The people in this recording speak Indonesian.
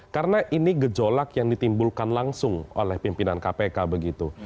karena ini gejolak yang ditimbulkan langsung oleh pimpinan kpk begitu